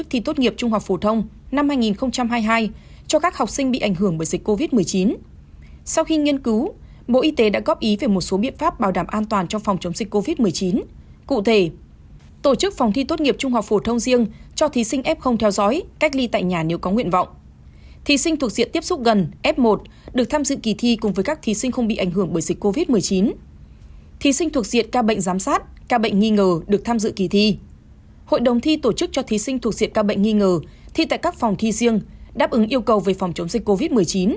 hội đồng thi tổ chức cho thí sinh thuộc diện ca bệnh nghi ngờ thi tại các phòng thi riêng đáp ứng yêu cầu về phòng chống dịch covid một mươi chín